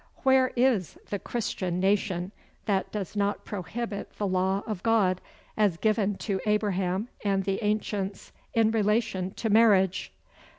Where is the "Christian nation" that does not prohibit the law of God, as given to Abraham and the ancients in relation to marriage?